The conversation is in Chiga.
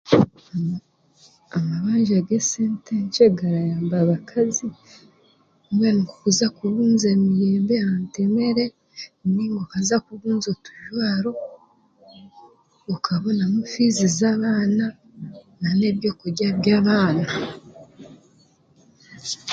Amabanja g'esente nkye garayamba abakazi barikuza kubunza emiyembe ha ntemere nainga barikuza kubunza otujwaro bakabonamu fiizi z'abaana nanebyokurya byabaana.